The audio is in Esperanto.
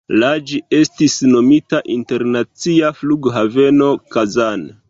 La ĝi estis nomita Internacia flughaveno Kazan.